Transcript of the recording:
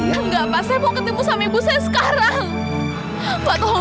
enggak pak saya mau ketemu sama ibu saya sekarang